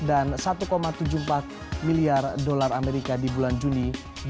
dan satu tujuh puluh empat miliar dolar amerika di bulan juni dua ribu delapan belas